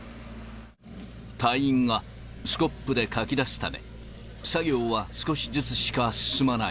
隊員がスコップでかき出すため、作業は少しずつしか進まない。